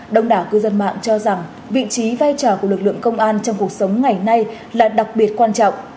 đông đảo cư dân mạng cho rằng vị trí vai trò của lực lượng công an trong cuộc sống ngày nay là đặc biệt quan trọng